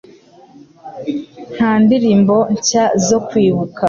nta ndirimbo nshya zo kwibuka